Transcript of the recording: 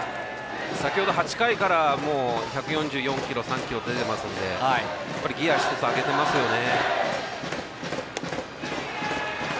先ほど８回から１４３キロ、１４４キロ出てますのでギヤを一つ、上げてますね。